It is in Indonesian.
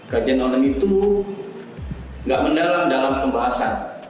kajian online itu tidak mendalam dalam pembahasan